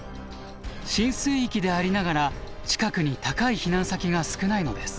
浸水域でありながら近くに高い避難先が少ないのです。